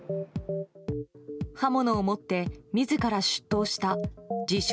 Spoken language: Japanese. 刃物を持って自ら出頭した自称